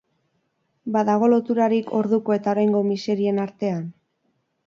Badago loturarik orduko eta oraingo miserien artean?